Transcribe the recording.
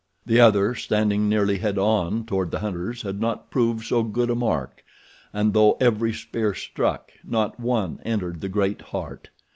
The other, standing nearly head on toward the hunters, had not proved so good a mark, and though every spear struck not one entered the great heart.